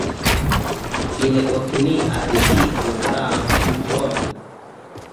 Vi ne opinias tion grava informo?